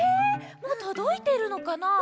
もうとどいてるのかな？